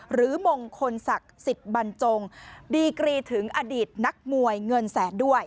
หรือมงคลศักดิ์สิทธิ์บรรจงดีกรีถึงอดีตนักมวยเงินแสนด้วย